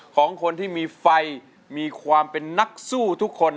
ของคนที่มีไฟมีความเป็นนักสู้ทุกคน